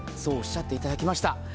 そうおっしゃって頂きました。